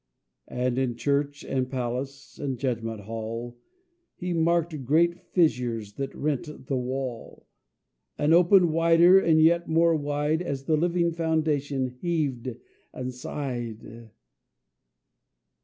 And in church and palace, and judgment hall, He marked great fissures that rent the wall, And opened wider and yet more wide As the living foundation heaved and sighed.